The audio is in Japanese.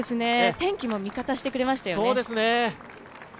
天気も味方してくれましたよね。